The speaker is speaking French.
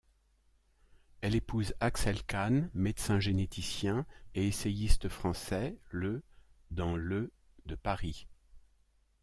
Elle épouse Axel Kahn, médecin généticien et essayiste français, le dans le de Paris.